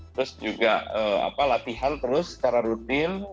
terus juga latihan terus secara rutin